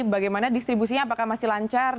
bagaimana distribusinya apakah masih lancar